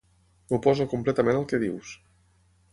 M'oposo completament al que dius.